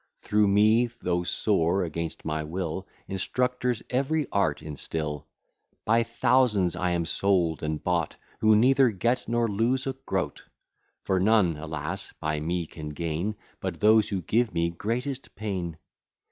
Through me, though sore against my will, Instructors every art instil. By thousands I am sold and bought, Who neither get nor lose a groat; For none, alas! by me can gain, But those who give me greatest pain.